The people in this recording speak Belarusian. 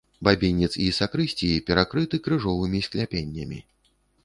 Бабінец і сакрысціі перакрыты крыжовымі скляпеннямі.